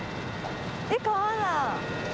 えっ川だ。